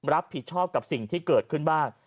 รับผิดชอบกับสิ่งที่เกิดขึ้นบ้าง